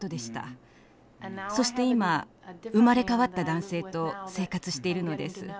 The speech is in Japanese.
そして今生まれ変わった男性と生活しているのです。